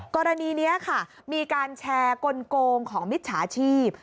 กรณีนี้ค่ะมีการแชร์กลงของมิจฉาชีพ